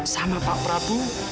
sama pak prabu